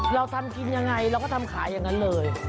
เราทำกินยังไงเราก็ทำขายอย่างนั้นเลย